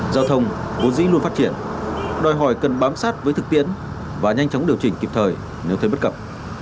giao thông vốn dĩ luôn phát triển đòi hỏi cần bám sát với thực tiễn và nhanh chóng điều chỉnh kịp thời nếu thấy bất cập